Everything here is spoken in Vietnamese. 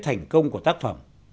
thành công của tác phẩm